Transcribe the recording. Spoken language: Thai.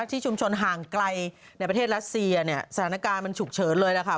ที่ชุมชนห่างไกลในประเทศรัสเซียเนี่ยสถานการณ์มันฉุกเฉินเลยล่ะค่ะ